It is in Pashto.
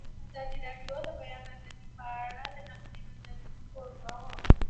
ازادي راډیو د د بیان آزادي په اړه د نقدي نظرونو کوربه وه.